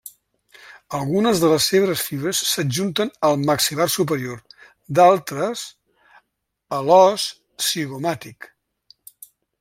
Algunes de les seves fibres s'adjunten al maxil·lar superior; d'altres, a l'os zigomàtic.